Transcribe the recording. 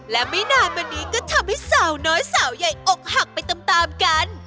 และไม่นานมานี้ก็ทำให้สาวน้อยสาวใหญ่อกหักไปตามกัน